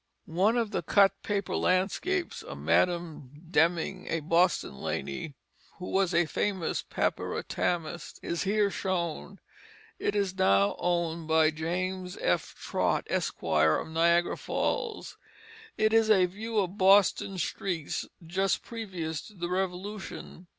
One of the cut paper landscapes of Madam Deming, a Boston lady who was a famous "papyrotamist," is here shown. It is now owned by James F. Trott, Esq., of Niagara Falls. It is a view of Boston streets just previous to the Revolution.